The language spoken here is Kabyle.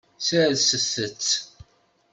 Serset-t.